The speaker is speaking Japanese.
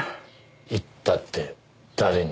言ったって誰に？